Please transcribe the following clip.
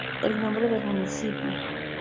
El nombre del municipio.